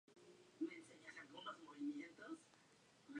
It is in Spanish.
Los dos equipos fueron considerados como las revelaciones del torneo.